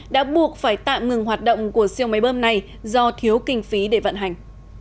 đã buộc phải tạm ngừng hoạt động của siêu máy bơm này do thiếu kinh phí để vận hành